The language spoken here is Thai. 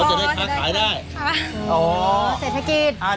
จะได้ค้าขายได้ค่ะโอ้โฮเศรษฐกิจ